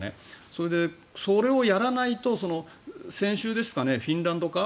それで、それをやらないと先週ですかねフィンランド化